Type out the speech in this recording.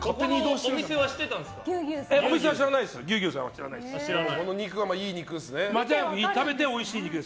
お店は知らないです。